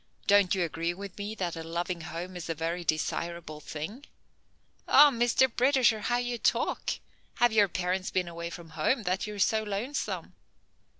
Don't you agree with me that a loving home is a very desirable thing?" "Oh, Mr. Britisher, how you talk! Have your parents been away from home, that you are so lonesome?"